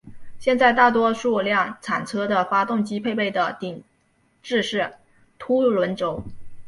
现在大多数量产车的发动机配备的是顶置式凸轮轴。